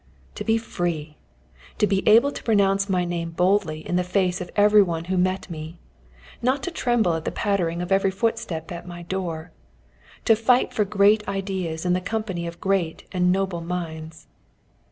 To be free! To be able to pronounce my name boldly in the face of every one who met me! Not to tremble at the pattering of every footstep at my door! To fight for great ideas in the company of great and noble minds!